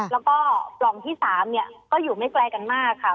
แล้วก็ปล่องที่๓ก็อยู่ไม่ไกลกันมากค่ะ